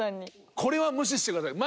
これは無視してください。